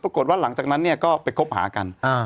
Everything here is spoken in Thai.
ปรากฏว่าหลังจากนั้นเนี่ยก็ไปคบหากัน